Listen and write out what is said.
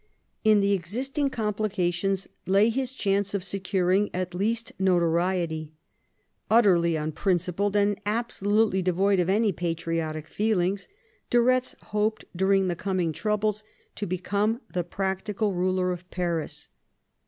In the existing complications lay his chance of securing at least notoriety. Utterly un principled, and absolutely devoid of any patriotic feelings, de Retz hoped during the coming troubles to become the practical ruler of Paris.